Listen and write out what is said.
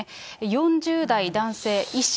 ４０代男性、医師。